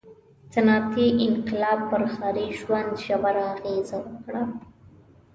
• صنعتي انقلاب پر ښاري ژوند ژوره اغېزه وکړه.